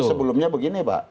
tapi sebelumnya begini pak